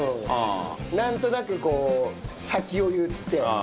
なんとなくこう先を言って。